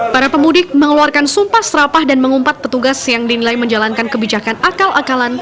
para pemudik mengeluarkan sumpah serapah dan mengumpat petugas yang dinilai menjalankan kebijakan akal akalan